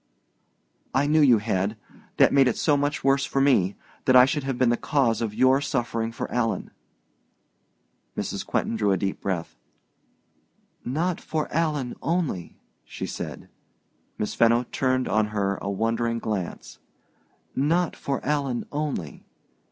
"I knew you had. That made it so much worse for me that I should have been the cause of your suffering for Alan!" Mrs. Quentin drew a deep breath. "Not for Alan only," she said. Miss Fenno turned on her a wondering glance. "Not for Alan only.